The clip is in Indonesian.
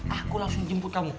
aku langsung jemput kamu